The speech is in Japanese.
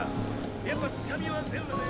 やっぱつかみは全裸で。